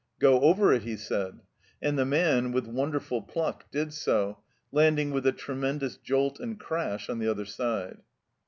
" Go over it," he said, and the man, with wonderful pluck, did so, landing with a tremendous jolt and crash on the other side.